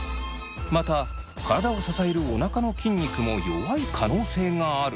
また体を支えるおなかの筋肉も弱い可能性があるとのことでした。